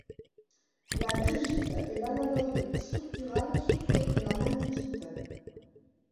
La greigite est l'analogue structurale soufrée de la magnétite.